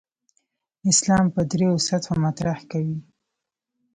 اسلام په درېو سطحو مطرح کوي.